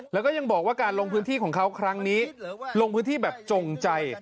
แล้วก็ยังบอกว่าการลงพื้นที่ของเขาครั้งนี้ลงพื้นที่แบบจงใจ